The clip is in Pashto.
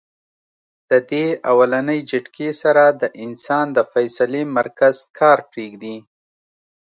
د دې اولنۍ جټکې سره د انسان د فېصلې مرکز کار پرېږدي -